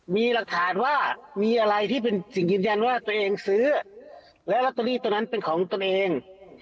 มีหลักฐานว่ามีอะไรที่เป็นสิ่งยืนยันว่าตัวเองซื้อและลอตเตอรี่ตัวนั้นเป็นของตนเอง